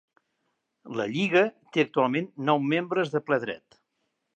La lliga té actualment nou membres de ple dret.